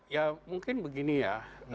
ya mungkin begini ya